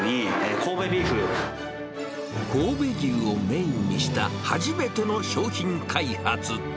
神戸牛をメインにした初めての商品開発。